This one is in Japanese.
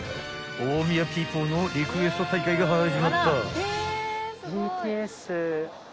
［大宮ピーポーのリクエスト大会が始まった］